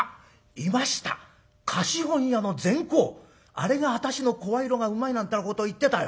あれが私の声色がうまいなんてなことを言ってたよ。